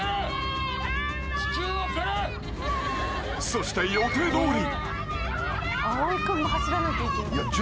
［そして予定どおり］